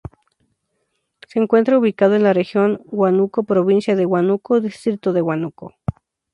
Se encuentra ubicado en la Región Huánuco, provincia de Huánuco, Distrito de Huánuco.